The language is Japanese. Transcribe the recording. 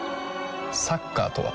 サッカーとは？